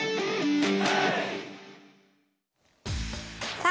さあ